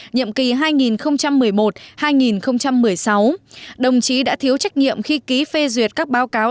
nhiệm kỳ hai nghìn một mươi một hai nghìn một mươi sáu đồng chí đã thiếu trách nhiệm khi ký phê duyệt các báo cáo